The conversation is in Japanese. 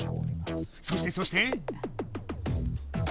そしてそして？